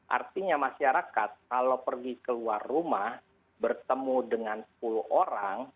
artinya masyarakat kalau pergi keluar rumah bertemu dengan sepuluh orang